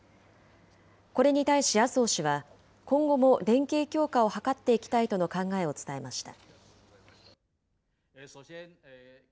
これに対し麻生氏は、今後も連携強化を図っていきたいとの考えを伝えました。